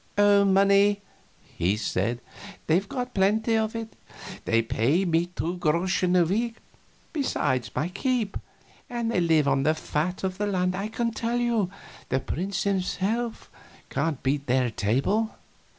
"Money!" he said; "they've got plenty of it. They pay me two groschen a week, besides my keep. And they live on the fat of the land, I can tell you; the prince himself can't beat their table."